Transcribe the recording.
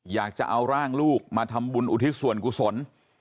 อยากจะเอาร่างลูกมาทำบุญอุทิศส่วนกุศล